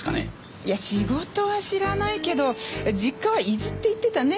いや仕事は知らないけど実家は伊豆って言ってたね。